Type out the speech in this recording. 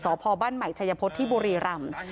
สบใหม่ชัยพศที่บุรีรำ